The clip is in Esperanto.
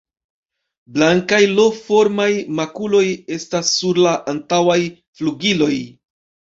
Blankaj L-formaj makuloj estas sur la antaŭaj flugiloj.